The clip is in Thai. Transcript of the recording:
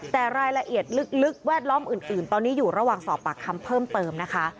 แต่รายละเอียดลึกแวดล้อมอื่นตอนนี้อยู่ระหว่างสอบปากคำเพิ่มเติมนะคะ